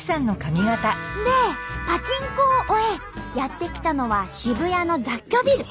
でパチンコを終えやって来たのは渋谷の雑居ビル。